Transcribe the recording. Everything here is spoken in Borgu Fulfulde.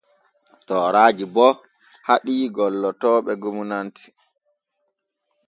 Tooraaji bo haɗii gollotooɓe gomnati.